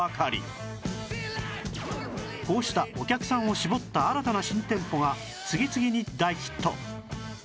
こうしたお客さんを絞った新たな新店舗が次々に大ヒット